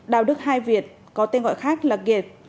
đào đức hai việt có tên gọi khác là kiệt